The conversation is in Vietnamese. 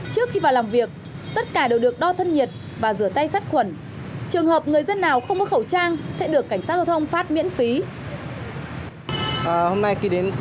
trước khi vào làm việc tất cả đều được đo thân nhiệt và rửa tay sát khuẩn trường hợp người dân nào không có khẩu trang sẽ được cảnh sát giao thông phát miễn phí